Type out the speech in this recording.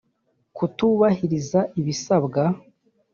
kutubahiriza ibisabwa